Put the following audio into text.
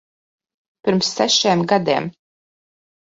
Pirms sešiem gadiem.